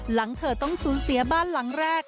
หลังเธอต้องสูญเสียบ้านหลังแรก